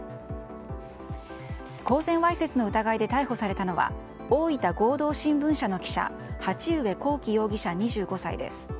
公然わいせつの疑いで逮捕されたのは大分合同新聞社の記者鉢上光樹容疑者、２５歳です。